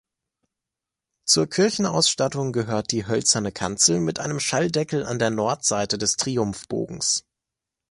Zur Kirchenausstattung gehört die hölzerne Kanzel mit einem Schalldeckel an der Nordseite des Triumphbogens.